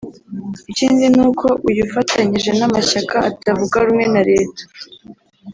Ikindi ni uko uyu ufatanyije n’amashyaka atavuga rumwe na Leta